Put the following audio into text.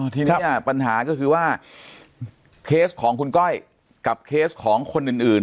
ทีนี้ปัญหาก็คือว่าเคสของคุณก้อยกับเคสของคนอื่น